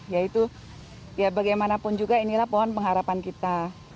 yaitu ya bagaimanapun juga inilah pohon pengharapan kita